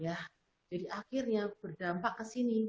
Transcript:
ya jadi akhirnya berdampak kesini